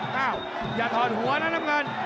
อ้าวอย่าถอดหัวนะน้ำเงิน